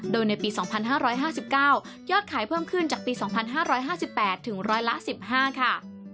โดยในปี๒๕๕๙ยอดขายเพิ่มขึ้นจากปี๒๕๕๘ถึงร้อยละ๑๕ค่ะ